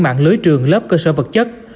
mạng lưới trường lớp cơ sở vật chất